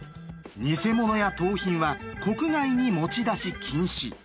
偽物や盗品は国外に持ち出し禁止。